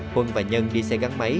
huân và nhân đi xe gắn máy